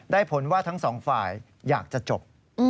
ผลว่าทั้งสองฝ่ายอยากจะจบ